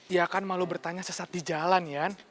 ya kan malu bertanya sesat di jalan ya